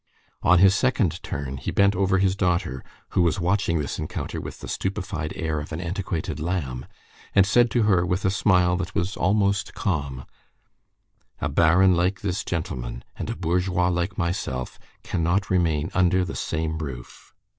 On his second turn, he bent over his daughter, who was watching this encounter with the stupefied air of an antiquated lamb, and said to her with a smile that was almost calm: "A baron like this gentleman, and a bourgeois like myself cannot remain under the same roof."